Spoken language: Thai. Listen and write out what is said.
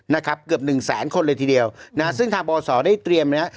นะครับเกือบหนึ่งแสนคนเลยทีเดียวนะฮะซึ่งทางบศได้เตรียมนะฮะ